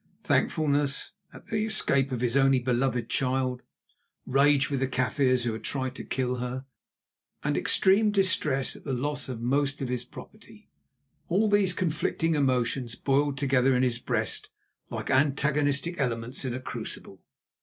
Thankfulness at the escape of his only, beloved child, rage with the Kaffirs who had tried to kill her, and extreme distress at the loss of most of his property—all these conflicting emotions boiled together in his breast like antagonistic elements in a crucible.